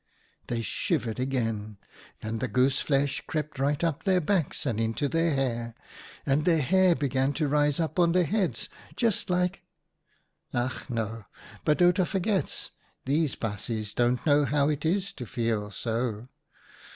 '" They shivered again, and the goose flesh crept right up their backs and into their hair, and their hair began to rise up on their heads just like — ach no, but Outa forgets, these baasjes don't know how it is to feel so."